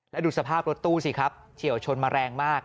แล้วดูสภาพรถตู้สิครับเฉียวชนมาแรงมาก